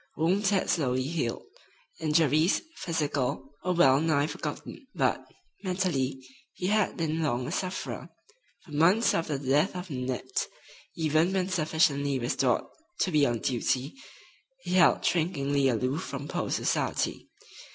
Wounds had slowly healed. Injuries, physical, were well nigh forgotten; but, mentally, he had been long a sufferer. For months after the death of Nanette, even when sufficiently restored to be on duty, he held shrinkingly aloof from post society.